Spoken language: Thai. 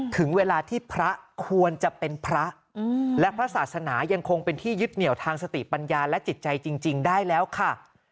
ถึงเวลาที่พระควรจะเป็นพระและพระศาสนายังคงเป็นที่ยึดเหนียวทางสติปัญญาและจิตใจจริงได้แล้วค่ะ